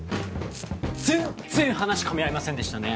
全然話かみ合いませんでしたね。